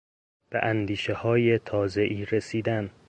به اندیشههای تازهای رسیدن